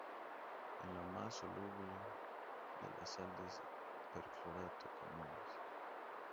Es la más soluble de las sales de perclorato comunes.